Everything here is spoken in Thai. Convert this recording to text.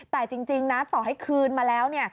แต่จริงนะต่อให้คืนมาแล้ว